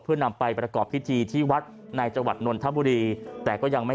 เพื่อนำไปประกอบพิธีที่วัดในจังหวัดนนทบุรีแต่ก็ยังไม่